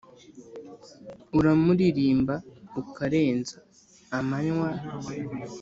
uramuririmba ukarenza amanywa.